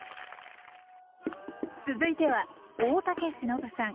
続いては大竹しのぶさん。